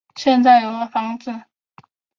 现在有了房子